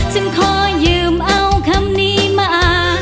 ฉันขอยืมเอาคำนี้มา